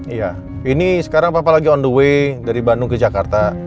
iya ini sekarang papa lagi on the way dari bandung ke jakarta